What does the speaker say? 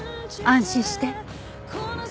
安心して。